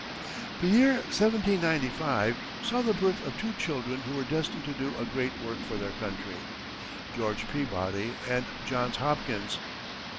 The year 1795 saw the birth of two children who were destined to do a great work for their country George Peabody and Johns Hopkins.